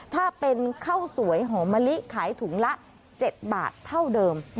ถ้าเป็นข้าวสวยหอมมะลิขายถุงละ๗บาทเท่าเดิม